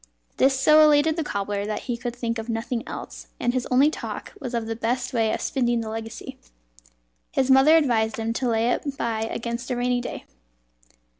This so elated the cobbler that he could think of nothing else, and his only talk was of the best way of spending the legacy. His mother advised him to lay it by against a rainy day.